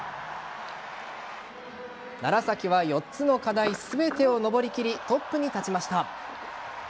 楢崎は４つの課題全てを登り切りトップに立ちました。